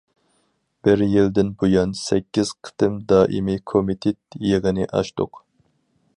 بىر يىلدىن بۇيان، سەككىز قېتىم دائىمىي كومىتېت يىغىنى ئاچتۇق.